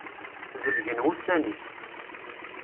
Zelgen wussan-ik.